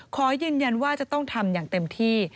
ขอยืนยันว่าจะต้องทำอย่างเต็มที่